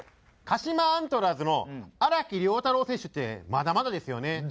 鹿島アントラーズの荒木遼太郎選手ってまだまだですよね。